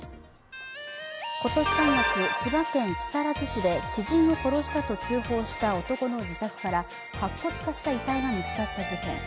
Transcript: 今年３月、千葉県木更津市で知人を殺したと通報した男の自宅から白骨化した遺体が見つかった事件。